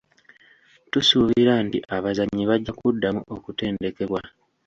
Tusuubira nti abazannyi bajja kuddamu okutendekebwa.